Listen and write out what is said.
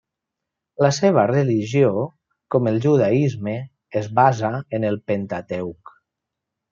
La seva religió, com el judaisme, es basa en el Pentateuc.